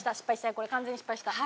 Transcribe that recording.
これ完全に失敗した。